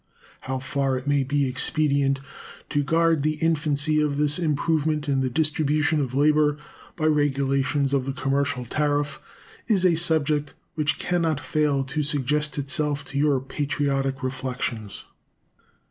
How far it may be expedient to guard the infancy of this improvement in the distribution of labor by regulations of the commercial tariff is a subject which can not fail to suggest itself to your patriotic reflections.